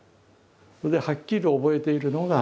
それではっきり覚えているのが